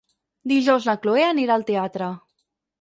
Dijous na Cloè anirà al teatre.